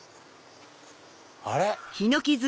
あれ⁉